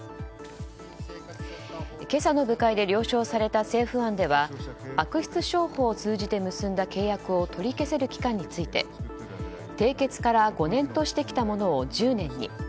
今朝の部会で了承された政府案では悪質商法を通じて結んだ契約を取り消せる期間について締結から５年としてきたものを１０年に。